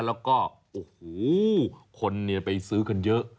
แล้วก็โอ้โหคนไปซื้อกันเยอะ